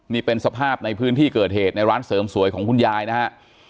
นี่เป็นสภาพในพื้นที่เกิดเหตุในร้านเสริมสวยของคุณยายนะฮะ